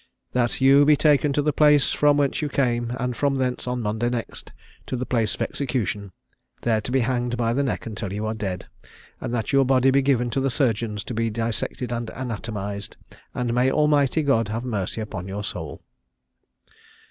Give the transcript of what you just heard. That you be taken to the place from whence you came, and from thence, on Monday next, to the place of execution, there to be hanged by the neck until you are dead; and that your body be given to the surgeons to be dissected and anatomised; and may Almighty God have mercy upon your soul."